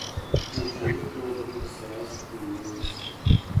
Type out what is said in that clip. مختلفو ناروغیو د سرایت څخه مخنیوی وشي.